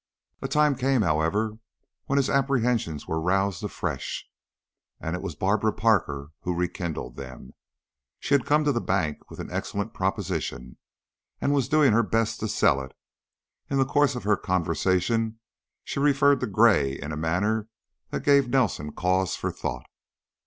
A time came, however, when his apprehensions were roused afresh, and it was Barbara Parker who rekindled them. She had come to the bank with an excellent proposition and was doing her best to sell it; in the course of her conversation she referred to Gray in a manner that gave Nelson cause for thought.